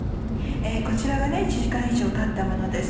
こちらが１時間以上たったものです。